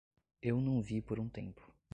Eu não vi por um tempo.